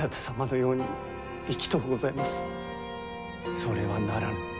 それはならぬ。